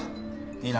いいな？